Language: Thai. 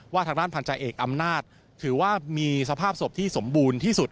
ทางด้านพันธาเอกอำนาจถือว่ามีสภาพศพที่สมบูรณ์ที่สุด